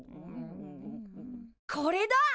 これだ！